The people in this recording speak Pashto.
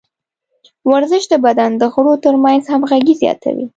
ورزش د بدن د غړو ترمنځ همغږي زیاتوي.